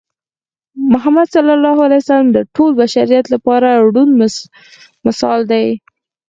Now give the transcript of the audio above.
محمد ص د ټول بشریت لپاره روڼ مشال دی.